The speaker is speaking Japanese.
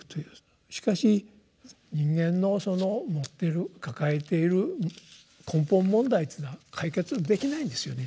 しかし人間の持ってる抱えている根本問題というのは解決できないんですよね。